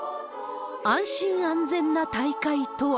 安心安全な大会とは。